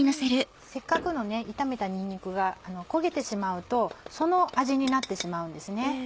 せっかくの炒めたにんにくが焦げてしまうとその味になってしまうんですね。